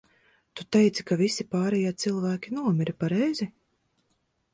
Tu teici, ka visi pārējie cilvēki nomira, pareizi?